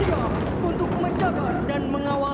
siap untuk menjaga dan mengawal